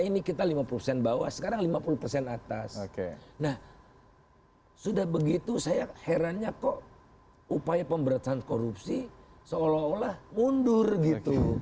nah sudah begitu saya herannya kok upaya pemberantasan korupsi seolah olah mundur gitu